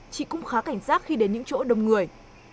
chị cũng khá cảnh giác khi đến những chỗ đông người